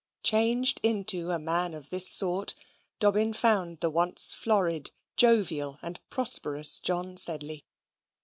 Changed into a man of this sort, Dobbin found the once florid, jovial, and prosperous John Sedley.